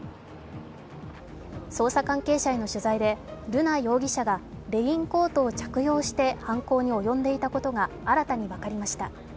捜査関係者への取材で瑠奈容疑者がレインコートを着用して犯行に及んでいたことが新たに分かりました。